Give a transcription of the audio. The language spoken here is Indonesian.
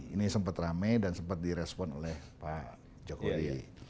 ini sempat rame dan sempat direspon oleh pak jokowi